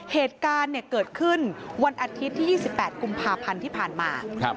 เหตุการณ์เกิดขึ้นวันอาทิตย์ที่๒๘กุมภาพันธ์ที่ผ่านมา